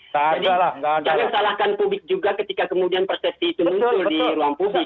jadi jangan salahkan publik juga ketika kemudian persepsi itu muncul di ruang publik